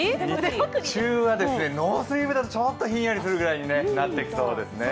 日中はノースリーブだとちょっとひんやりするぐらいになってきそうですね。